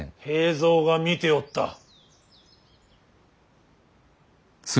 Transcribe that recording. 平三が見ておった。